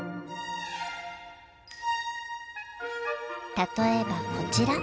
例えばこちら。